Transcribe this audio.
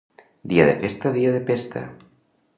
Dia de festa, dia de pesta.